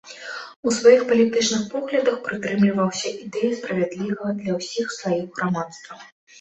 У сваіх палітычных поглядах прытрымліваўся ідэі справядлівага для ўсіх слаёў грамадства.